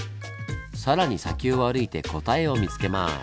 更に砂丘を歩いて答えを見つけます。